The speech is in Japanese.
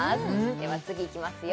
では次いきますよ